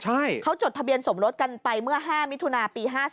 ใช่เขาจดทะเบียนสมรสกันไปเมื่อ๕มิถุนาปี๕๔